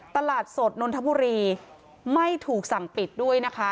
ตลาดสดนนทบุรีไม่ถูกสั่งปิดด้วยนะคะ